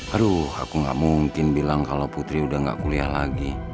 aduh aku gak mungkin bilang kalau putri udah gak kuliah lagi